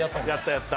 やった。